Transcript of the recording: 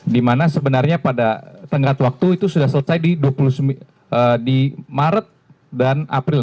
di mana sebenarnya pada tengkat waktu itu sudah selesai di maret dan april